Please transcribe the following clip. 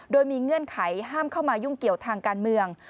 โดยมีเงื่อนไขห้ามเข้ามายุ่งเกี่ยวทางการเมือง